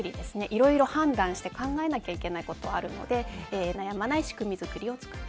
いろいろ判断して考えなきゃいけないことがあるので悩まない仕組みを作る。